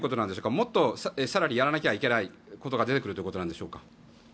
もっと更にやらなきゃいけないことが出てくるということでしょうか？